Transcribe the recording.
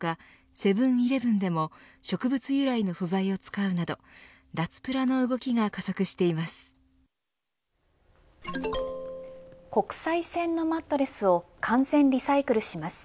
セブン‐イレブンでも植物由来の素材を使うなど脱プラの動きが加速しています。